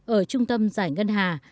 ở trung tâm giải ngân hà